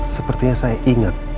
sepertinya saya ingat